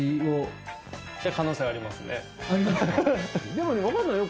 でもね分かんないよ